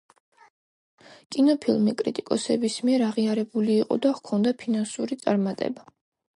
კინოფილმი კრიტიკოსების მიერ აღიარებული იყო და ჰქონდა ფინანსური წარმატება.